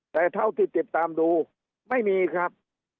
แต่เท่าที่ติดตามดูไม่มีครับ